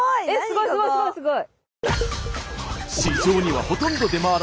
すごいすごいすごいすごい！